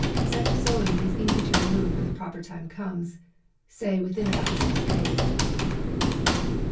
Such sewing is easy to remove when the proper time comes, say within about six days.